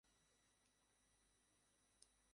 আমাকে একটু দেবে?